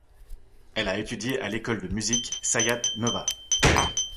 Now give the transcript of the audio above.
Elle a étudié à l'école de musique Sayat Nova.